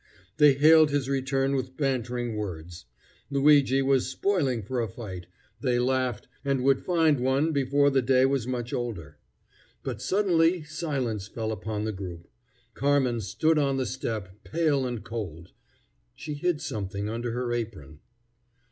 They hailed his return with bantering words. Luigi was spoiling for a fight, they laughed, and would find one before the day was much older. But suddenly silence fell upon the group. Carmen stood on the step, pale and cold. She hid something under her apron.